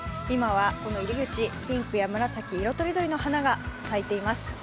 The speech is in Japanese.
今は入り口、ピンクや紫、色とりどりの花が咲いています。